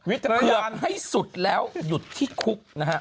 เผือกให้สุดแล้วหยุดที่คุก